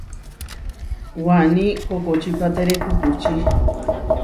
Waní kokočípatere kukuči.